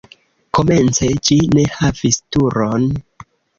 Komence ĝi ne havis turon.